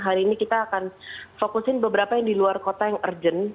hari ini kita akan fokusin beberapa yang di luar kota yang urgent